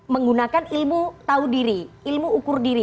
menggunakan ilmu tahu diri ilmu ukur diri